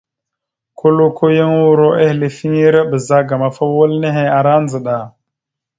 Koləko yan uro ehelefiŋere ɓəzagaam afa wal nehe ara ndzəɗa.